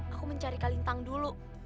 aku mencari kalintang dulu